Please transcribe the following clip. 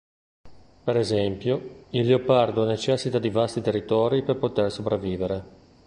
Per esempio, il leopardo necessita di vasti territori per poter sopravvivere.